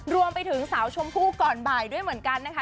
รวมไปถึงสาวชมพู่ก่อนบ่ายด้วยเหมือนกันนะคะ